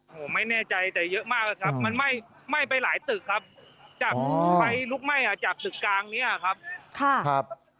ผมไม่แน่ใจแต่เยอะมากแล้วครับมันไหม้ไหม้ไปหลายตึกครับจากไฟลุกไหม้อ่ะจากตึกกลางเนี้ยครับค่ะครับ